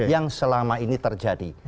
yang selama ini terjadi